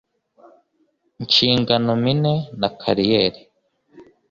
nshingano mine na kariyeri